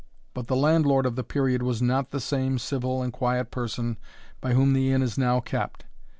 But the landlord of the period was not the same civil and quiet person by whom the inn is now kept.